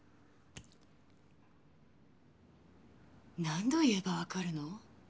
何度言えば分かるの？